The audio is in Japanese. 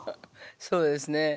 そうですね。